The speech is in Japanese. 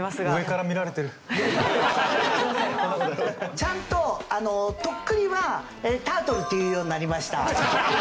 ちゃんととっくりはタートルって言うようになりました。